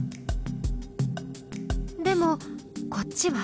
でもこっちは？